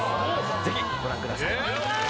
ぜひご覧ください